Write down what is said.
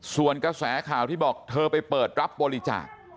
ส่วนกระแสข่าวที่บอกเธอไปเปิดรับบริจาค